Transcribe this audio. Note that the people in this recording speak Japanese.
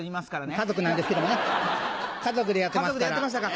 家族なんですけどもね家族でやってますから。